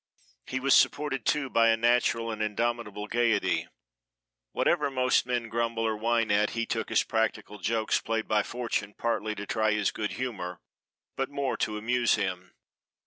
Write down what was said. He was supported, too, by a natural and indomitable gayety. Whatever most men grumble or whine at he took as practical jokes played by Fortune partly to try his good humor, but more to amuse him.